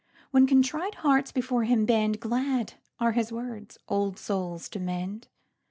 When contrite hearts before him bend, Glad are his words, "Old souls to mend!"